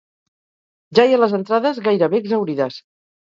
Ja hi ha les entrades gairebé exhaurides.